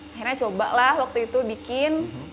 akhirnya cobalah waktu itu bikin